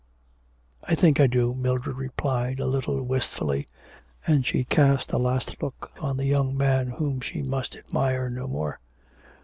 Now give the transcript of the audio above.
'I think I do,' Mildred replied a little wistfully, and she cast a last look on the young man whom she must admire no more.